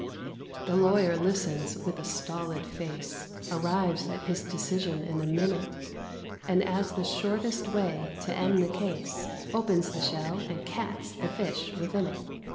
The lawyer listens with a stolid face, Arrives at his decision in a minute; And, as the shortest way to end the case, Opens the shell and cats the fish within it.